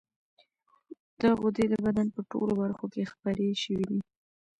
دا غدې د بدن په ټولو برخو کې خپرې شوې دي.